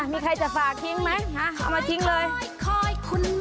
มีใครจะฝากทิ้งไหมเอามาทิ้งเลย